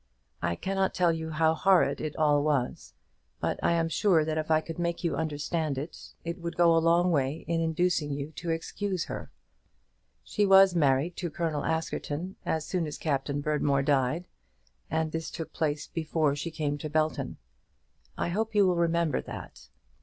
I cannot tell you how horrid it all was, but I am sure that if I could make you understand it, it would go a long way in inducing you to excuse her. She was married to Colonel Askerton as soon as Captain Berdmore died, and this took place before she came to Belton. I hope you will remember that.